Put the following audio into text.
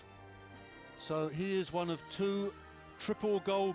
jadi dia adalah salah satu medalis triple gold